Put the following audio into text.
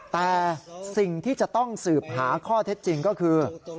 แต่สิ่งที่จะต้องสืบหาข้อเท็จจริงก็คือ